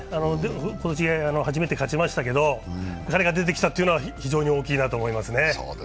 今年初めて勝ちましたけど彼が出てきたというのは、非常に大きいなと思いますね。